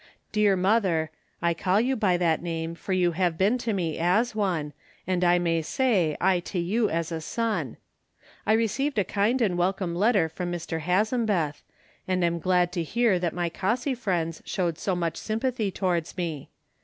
Dear mother, I call you by that name, for you have been to me as one, and I may say I to you as a son. I received a kind and welcome letter from Mr. Hazembeth, and was glad to hear that my Cossey friends showed so much sympathy towards me.